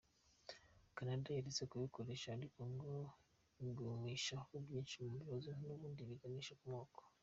Canada yaretse kubikoresha ariko ngo igumishamo byinshi mu bibazo n’ubundi biganisha ku moko.